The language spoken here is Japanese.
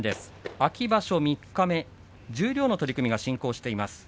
秋場所三日目十両の取組が進行しています。